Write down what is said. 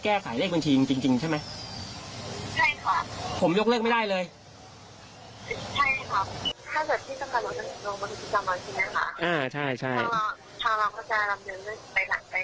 ถ้าเราก็จะรำเนินไปหลังใกล้ภาพไปตามรุ่นใหม่